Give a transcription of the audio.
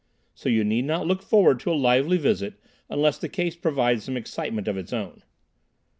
So you need not look forward to a lively visit, unless the case provides some excitement of its own."